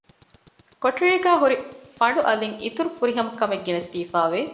ކޮޓަރީގައި ހުރި ފަނޑު އަލިން އިތުރު ފުރިހަމަކަމެއް ގެނެސްދީފައި ވެ